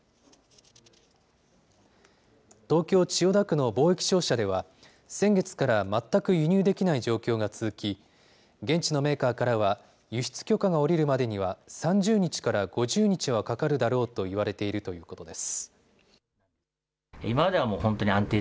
東京・千代田区の貿易商社では、先月から全く輸入できない状況が続き、現地のメーカーからは、輸出許可が下りるまでには、３０日から５０日はかかるだろうと言われているということです。